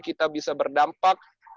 kita bisa berdampak